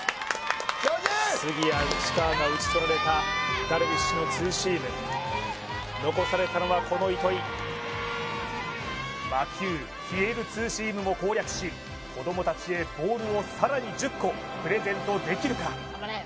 杉谷内川が打ち取られたダルビッシュのツーシーム残されたのはこの糸井魔球消えるツーシームも攻略し子供達へボールをさらに１０個プレゼントできるか？